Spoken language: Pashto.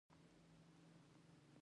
هره جګړه د خپلو بقا ساتنې په نامه.